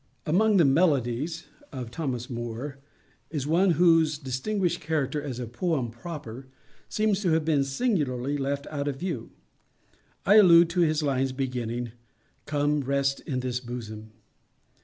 Among the "Melodies" of Thomas Moore is one whose distinguished character as a poem proper seems to have been singularly left out of view. I allude to his lines beginning—"Come, rest in this bosom."